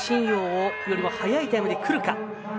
陽よりも早いタイムで来るか。